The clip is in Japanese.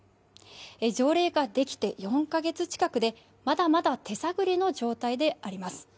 条例ができて４か月近くでまだまだ手探りの状態であります。